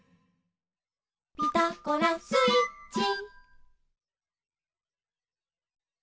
「ピタゴラスイッチ」